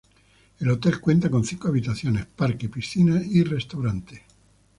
El hotel cuenta con cinco habitaciones, parque, piscina y restaurante.